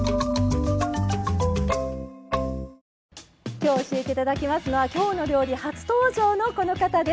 今日教えていただきますのは「きょうの料理」初登場のこの方です。